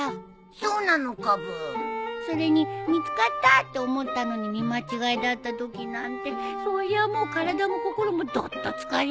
それに見つかったって思ったのに見間違いだったときなんてそりゃもう体も心もどっと疲れるよ。